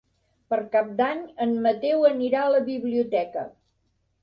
Per Cap d'Any en Mateu anirà a la biblioteca.